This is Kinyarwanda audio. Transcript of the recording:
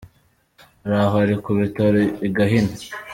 Araho ari ku bitaro i Gahini.